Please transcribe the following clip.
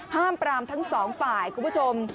ห้ามปรามทั้งสองฝ่ายคุณผู้ชม